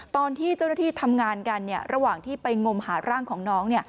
ตอนที่เจ้าหน้าที่ทำงานกันระหว่างที่ไปงมหาร่างของน้อง